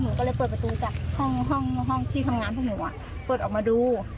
หนูก็เลยเปิดประตูจากห้องที่ทำงานพวกหนูเปิดออกมาดู